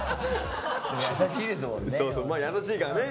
優しいからね。